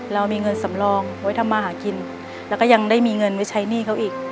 เรามีเงินสำรองไว้ทำมาหากินแล้วก็ยังได้มีเงินไว้ใช้หนี้เขาอีก